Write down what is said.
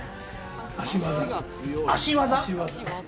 足技。